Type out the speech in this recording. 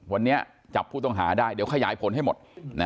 วันนี้จับผู้ต้องหาได้เดี๋ยวขยายผลให้หมด